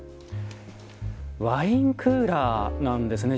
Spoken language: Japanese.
ワインクーラーなんですね。